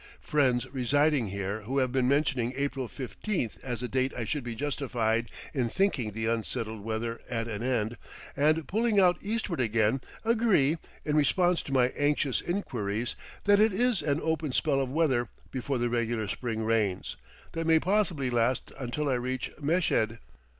Friends residing here who have been mentioning April 15th as the date I should be justified in thinking the unsettled weather at an end and pulling out eastward again, agree, in response to my anxious inquiries, that it is an open spell of weather before the regular spring rains, that may possibly last until I reach Meshed.